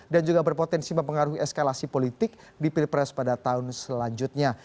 dan juga berpotensi mempengaruhi eskalasi politik di pilpres pada tahun selanjutnya